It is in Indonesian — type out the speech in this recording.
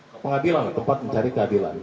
ke pengadilan tempat mencari keadilan